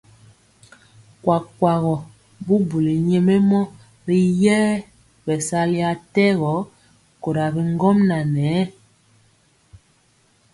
Kuakuagɔ bubuli nyɛmemɔ yi yɛɛ bɛsali atɛgi kora bi ŋgomnaŋ nɛ.